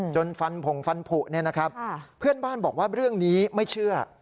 จนฟันผงฟันผูเนี่ยนะครับเพื่อนบ้านบอกว่าเรื่องนี้ไม่เชื่อ